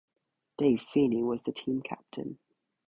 Dave Feeney was the team captain.